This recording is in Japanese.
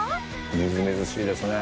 みずみずしいですね。